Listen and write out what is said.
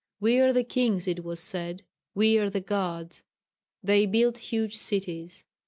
We are the kings it was said; we are the Gods.... They built huge cities.